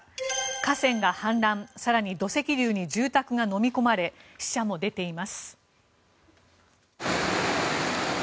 河川が氾濫更に、土石流に住宅がのみ込まれ死者も出ています。